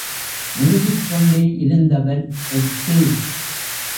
எழுதிக்கொண்டே இருந்தவர் எட்டு.